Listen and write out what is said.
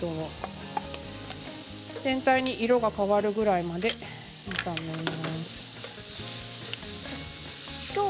全体に色が変わるぐらいまで炒めます。